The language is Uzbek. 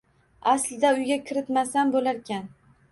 Aslida uyga kiritmasam bo`larkan